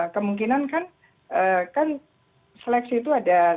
kemungkinan kan seleksi itu ada